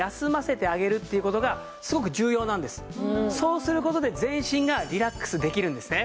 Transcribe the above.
そうする事で全身がリラックスできるんですね。